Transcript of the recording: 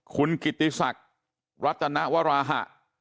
คุณกิติศักดิ์รัตนวราหะ